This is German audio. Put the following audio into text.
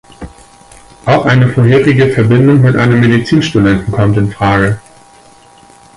Auch eine vorherige Verbindung mit einem Medizinstudenten kommt in Frage.